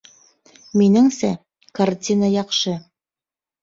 Минеңсә, картина яҡшы